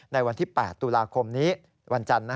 ในวันที่๘ตุลาคมนี้วันจันทร์